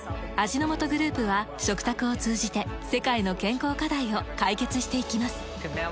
味の素グループは食卓を通じて世界の健康課題を解決していきます。